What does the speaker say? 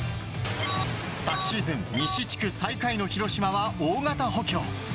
昨シーズン、西地区最下位の広島は大型補強。